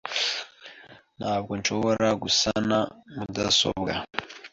Ntabwo nshobora gusana mudasobwa .